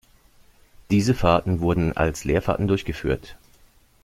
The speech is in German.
Diese Fahrten wurden als Leerfahrten durchgeführt.